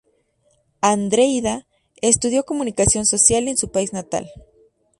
Andreína estudió Comunicación Social en su país natal.